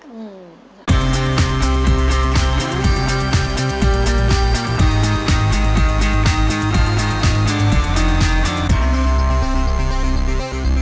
โปรดติดตามตอนต่อไป